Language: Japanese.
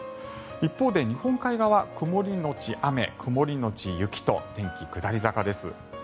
一方で日本海側は曇りのち雨曇りのち雪と天気下り坂です。